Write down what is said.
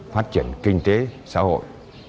phát triển kinh tế xã hội